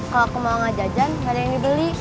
kalau ke mall ngajajan gak ada yang dibeli